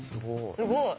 すごい。